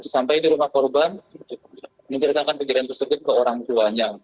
sampai di rumah korban menceritakan kejadian tersebut ke orang tuanya